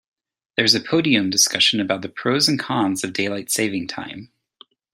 There's a podium discussion about the pros and cons of daylight saving time.